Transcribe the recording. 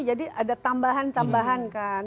jadi ada tambahan tambahan kan